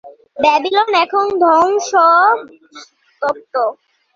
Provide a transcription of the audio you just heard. Babylon এখন ধ্বংস স্তুপ।